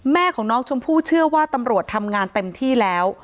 แม่ของน้องชมพู่เชื่อว่าตำรวจทำงานเต็มที่แล้ว